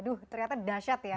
aduh ternyata dasyat ya